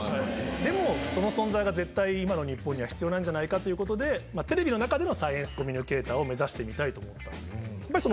でも、その存在が絶対、今の日本には必要なんじゃないかということで、テレビの中でのサイエンスコミュニケーターを目指してみたいと思ったので。